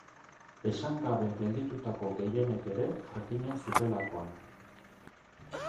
Esan gabe gelditutako gehienek ere jakinen zutelakoan.